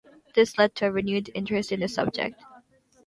This led to a renewed interest in the subject.